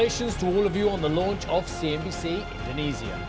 tahniah kepada semua orang di peluncuran cnbc indonesia